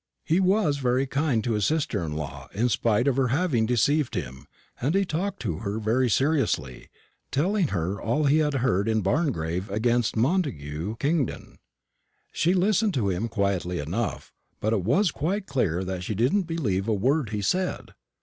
He was very kind to his sister in law, in spite of her having deceived him; and he talked to her very seriously, telling her all he had heard in Barngrave against Montagu Kingdon. She listened to him quietly enough, but it was quite clear that she didn't believe a word he said.